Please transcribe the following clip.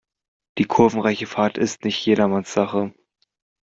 Die kurvenreiche Fahrt ist nicht jedermanns Sache.